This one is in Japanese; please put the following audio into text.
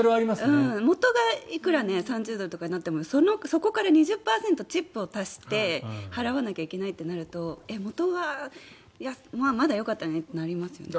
元が３０ドルとかになってもそこから２０％チップを足して払わないといけないとなると元はまだよかったのにってなりますよね。